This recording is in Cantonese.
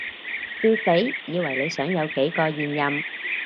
笑死，以為你想有幾個現任